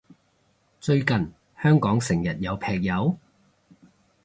最近香港成日有劈友？